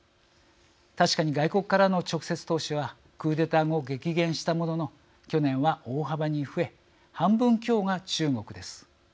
確かに外国からの直接投資はクーデター後、激減したものの去年は大幅に増え半分強が中国です。